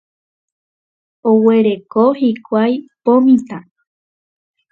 Oguereko hikuái po mitã.